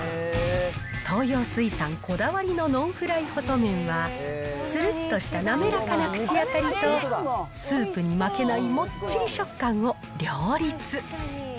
東洋水産こだわりのノンフライ細麺は、つるっとした滑らかな口当たりと、スープに負けないもっちり食感を両立。